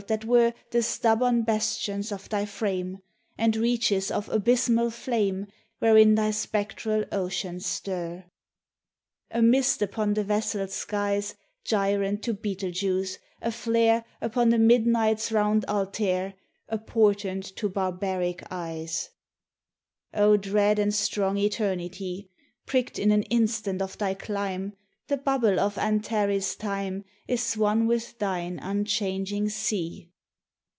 that were The stubborn bastions of thy frame, And reaches of abysmal flame Wherein thy spectral oceans stir A mist upon the vassal skies Gyrant to Betelgeuse a flare Upon the midnights round Altair A portent to barbaric eyes. THE TESTIMONY OF THE SUNS. O dread and strong Eternity! Prickt in an instant of thy clime, The bubble of Antares' time Is one with thine unchanging sea.